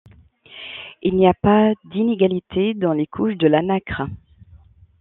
Il n'y a pas d'inégalités dans les couches de la nacre.